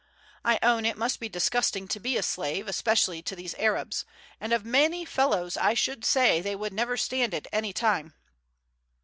I own it must be disgusting to be a slave, especially to these Arabs, and of many fellows I should say they would never stand it any time.